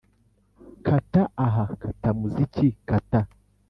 kata aha kata muziki kata